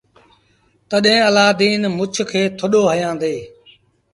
تڏهيݩ الآدين مڇ کي ٿڏو هڻيآندي۔